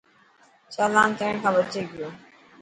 چالان ٿيڻ کان بچي گيو.